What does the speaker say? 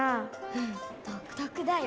うんどくとくだよ。